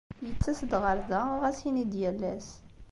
Yettas-d ɣer da, ɣas ini-d yal ass.